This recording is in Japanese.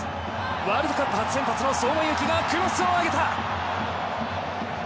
ワールドカップ初先発の相馬勇紀がクロスを上げた！